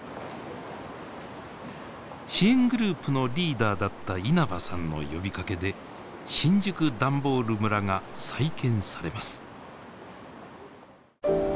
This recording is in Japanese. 支援グループのリーダーだった稲葉さんの呼びかけで新宿ダンボール村が再建されます。